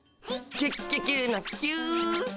キュキュキュのキュ！